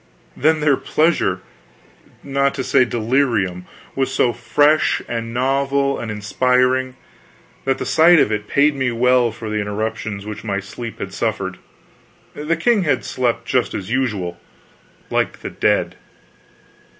Then their pleasure not to say delirium was so fresh and novel and inspiring that the sight of it paid me well for the interruptions which my sleep had suffered. The king had slept just as usual like the dead.